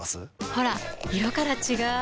ほら色から違う！